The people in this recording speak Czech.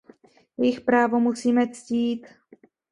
Jejich právo musíme ctít.